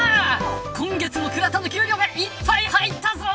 今月も倉田の給料がいっぱい入ったぞ。